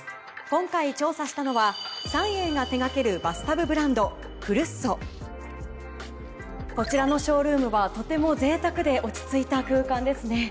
今回調査したのはこちらのショールームはとても贅沢で落ち着いた空間ですね。